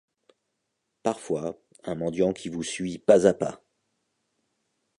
Parfois, un mendiant qui vous suit pas à pas